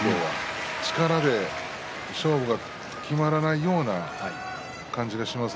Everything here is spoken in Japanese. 力で勝負が決まらないような感じがします。